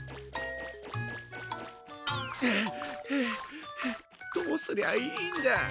はあはあはあどうすりゃいいんだ。